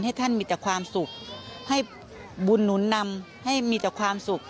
ให้ท่านมีแต่ความสุขให้บุญหนุนนำให้มีแต่ความสุข